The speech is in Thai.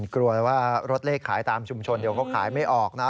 กลัวเลยว่ารถเลขขายตามชุมชนเดี๋ยวเขาขายไม่ออกนะ